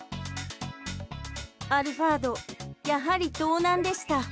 アルファードやはり盗難でした。